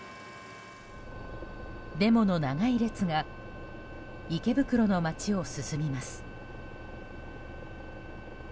デモの長い列が池袋の街を進みます。